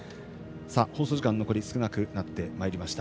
放送時間が残り少なくなってまいりました。